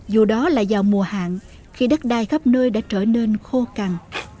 dù đó là vào mùa hạn khi đất đai khắp nơi đã trở nên khô cằn